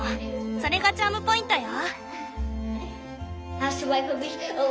それがチャームポイントよ。